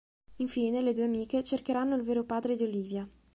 Infine le due amiche cercheranno il vero padre di Olivia.